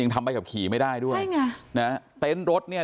ยังทำไปกับขี่ไม่ได้ด้วยใช่ไงแน่เนี้ยเต็นรถเนี้ย